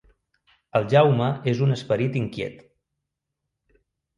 El Jaume és un esperit inquiet.